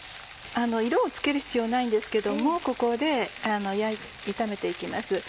色をつける必要はないんですけどもここで炒めて行きます。